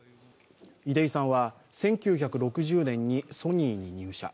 出井さんは１９６０年にソニーに入社。